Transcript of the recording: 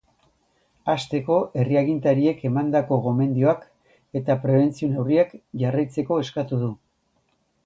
Hasteko, herri agintariek emandako gomendioak eta prebentzio neurriak jarraitzeko eskatu du.